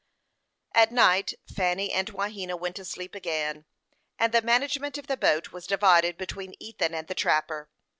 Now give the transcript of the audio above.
At night Fanny and Wahena went to sleep again, and the management of the boat was divided between Ethan and the trapper.